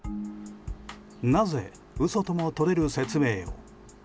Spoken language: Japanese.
なぜ嘘ともとれる説明を。